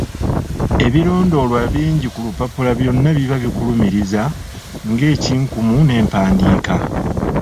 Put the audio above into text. Ebirondoolwa bingi ku lupapula byonna biba bikulumuriza, ng'ekinkumu n'empandiika.